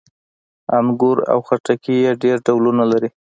انګور او خټکي یې ډېر ډولونه لري.